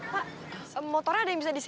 pak motornya ada yang bisa disini